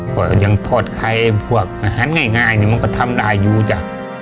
ก็ยังโทษใครพวกอาหารง่ายนี่มันก็ทำได้อยู่จ้ะ